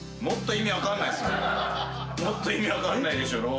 もっと意味分かんないでしょ。